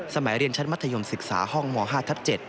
สมัยเรียนชั้นมัธยมศึกษาห้องม๕ทับ๗